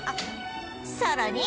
さらに